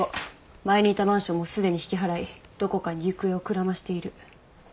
前にいたマンションもすでに引き払いどこかに行方をくらましている。